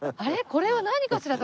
これは何かしら？